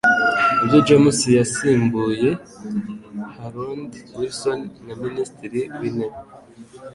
Ibyo James yasimbuye Harold Wilson nka Minisitiri w’intebe